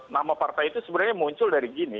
nama partai itu sebenarnya muncul dari gini